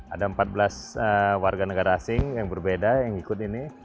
ada empat belas warga negara asing yang berbeda yang ikut ini